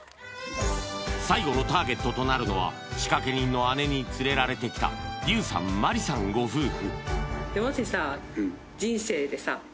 最後のターゲットとなるのは仕掛人の姉に連れられてきた悠さん麻里さんご夫婦